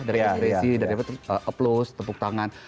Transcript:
dari ekspresi dari apa terus applause tepuk tangan